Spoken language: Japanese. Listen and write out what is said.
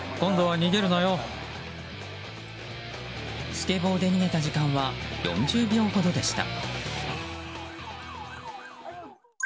スケボーで逃げた時間は４０秒ほどでした。